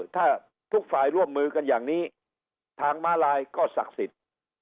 ถ้าทุกฝ่ายร่วมมือกันอย่างนี้ทางม้าลายก็ศักดิ์สิทธิ์